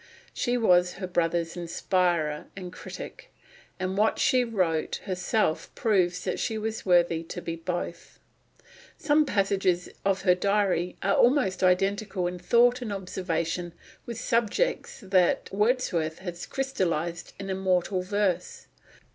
She was her brother's inspirer and critic, and what she wrote herself proves that she was worthy to be both. Some passages of her diary are almost identical in thought and observation with subjects that Wordsworth has crystallised in immortal verse.